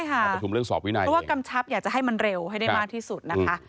ใช่ค่ะเพราะว่ากำชับอยากจะให้มันเร็วให้ได้มากที่สุด